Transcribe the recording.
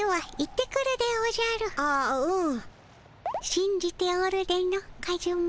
しんじておるでのカズマ。